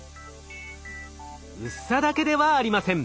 薄さだけではありません。